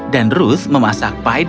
dan ruth memasak pie dengan begitu indah